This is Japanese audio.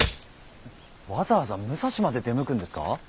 わざわざ武蔵まで出向くんですか？